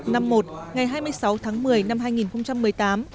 ngày hai mươi sáu tháng một mươi năm hai nghìn một mươi tám